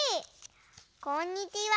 こんにちは。